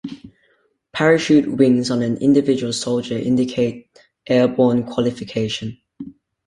Parachute wings on an individual soldier indicate Airborne-qualification.